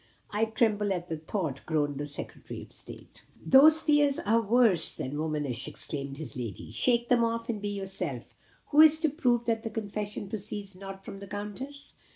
"I tremble at the thought," groaned the Secretary of State. "These fears are worse than womanish," exclaimed his lady. "Shake them off, and be yourself. Who is to prove that the confession proceeds not from the Countess?